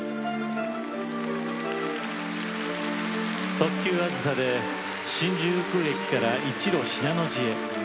特急あずさで新宿駅から一路、信濃路へ。